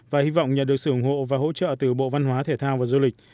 và hy vọng nhận được sự ủng hộ và hỗ trợ từ bộ văn hóa thể thao và du lịch